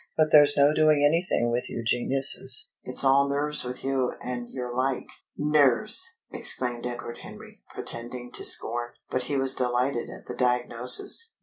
But there's no doing anything with you geniuses. It's all nerves with you and your like." "Nerves!" exclaimed Edward Henry, pretending to scorn. But he was delighted at the diagnosis.